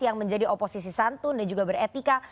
yang menjadi oposisi santun dan juga beretika